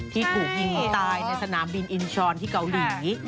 ที่ถูกยิงตายในสนามบินอินชรที่เกาหลี